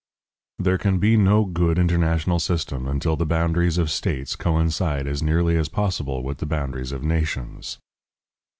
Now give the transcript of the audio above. There can be no good international system until the boundaries of states coincide as nearly as possible with the boundaries of nations.